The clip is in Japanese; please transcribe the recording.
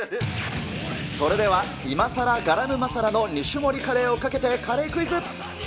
それではイマサラガラムマサラの２種盛りカレーを賭けて、カレークイズ。